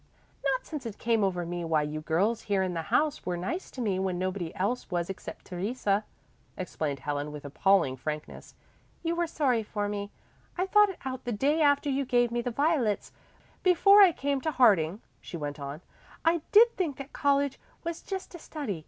"Not since it came over me why you girls here in the house were nice to me when nobody else was except Theresa," explained Helen with appalling frankness. "You were sorry for me. I thought it out the day after you gave me the violets. Before I came to Harding," she went on, "I did think that college was just to study.